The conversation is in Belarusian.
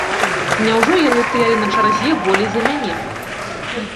Няўжо яны стаялі на чарзе болей за мяне?